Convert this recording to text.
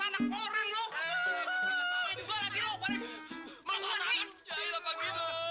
apa sih bapak